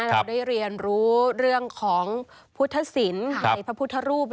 เราได้เรียนรู้เรื่องของพุทธศิลป์ในพระพุทธรูป